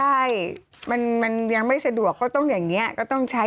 ใช่มันยังไม่สะดวกก็ต้องอย่างนี้ก็ต้องใช้